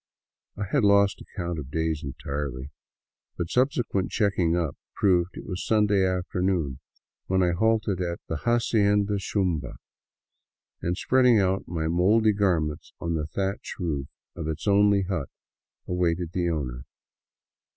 I had lost account of days entirely, but subsequent checking up proved it was a Sunday afternoon when I halted at the " Hacienda Shumba " and, spreading out my mouldy garments on the thatch roof of its only hut, awaited the owner.